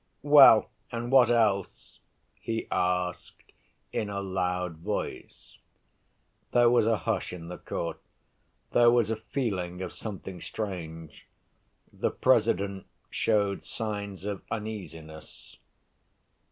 "Well, and what else?" he asked in a loud voice. There was a hush in the court; there was a feeling of something strange. The President showed signs of uneasiness.